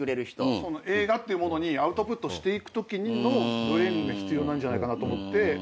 映画っていうものにアウトプットしていくときのブレーンが必要なんじゃないかなと思って。